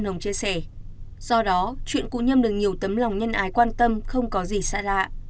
do đó chuyện cụ nhâm được nhiều tấm lòng nhân ái quan tâm không có gì xa lạ